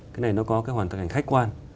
cái này có hoàn toàn hành khách quan